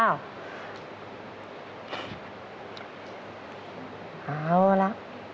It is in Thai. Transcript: เอาละ